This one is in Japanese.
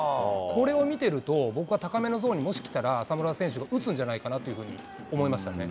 これを見てると、僕は高めのゾーンにもし来たら、浅村選手が打つんじゃないかと思いましたね。